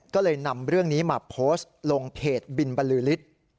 ก็เลยนำเรื่องนี้มาโพสต์ลงเพจบินบรรลือฤทธิ์